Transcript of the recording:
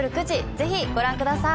ぜひご覧ください。